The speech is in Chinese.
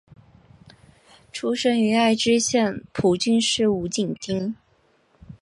出身于爱知县蒲郡市五井町。